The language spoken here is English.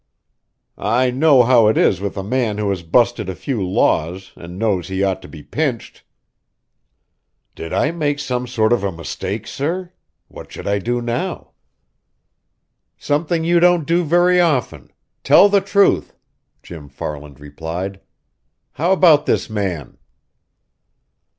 "I know how it is with a man who has busted a few laws and knows he ought to be pinched!" "Did I make some sort of a mistake, sir? What should I do now?" "Something you don't do very often tell the truth," Jim Farland replied. "How about this man?"